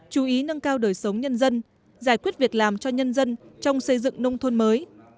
chú ý nâng cao đời sống nhân dân giải quyết việc làm cho nhân dân trong xây dựng nông thôn mới